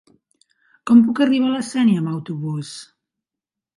Com puc arribar a la Sénia amb autobús?